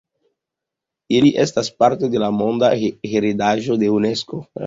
Ili estas parto de la Monda heredaĵo de Unesko.